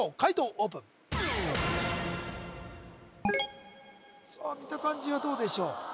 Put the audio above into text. オープンさあ見た感じはどうでしょう？